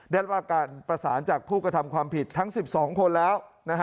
ได้รับการประสานจากผู้กระทำความผิดทั้ง๑๒คนแล้ว